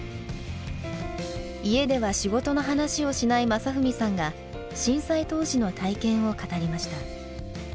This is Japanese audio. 家では仕事の話をしない雅文さんが震災当時の体験を語りました。